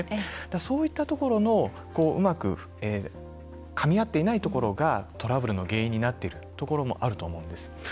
そういったところのうまくかみあっていないところがトラブルの原因になっているところもあると思うんです。